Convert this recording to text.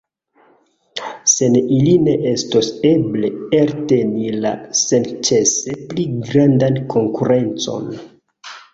Sen ili ne estos eble elteni la senĉese pli grandan konkurencon.